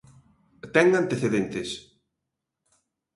Ten antecedentes.